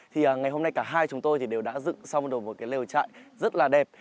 thì ngày hôm nay cả hai chúng tôi thì đều đã dựng xong được một cái lều trại rất là đẹp